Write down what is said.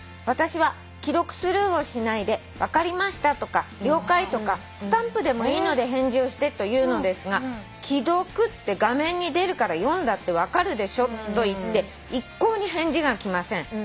「私は既読スルーをしないで『分かりました』とか『了解』とかスタンプでもいいので返事をしてと言うのですが『既読』って画面に出るから読んだって分かるでしょと言って一向に返事が来ません」